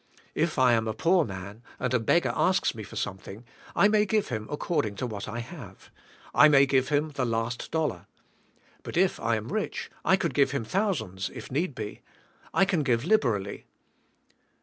If I am a poor man, and a beggar asks me for something, I may give him according to what I 162 THK SPIRITUAI, LIFK. have. I may give him the last dollar. But if I am rich I could give him thousands, if need be. I can give liberally.